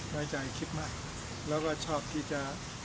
น้อยใจคิดมากแล้วก็ชอบที่จะ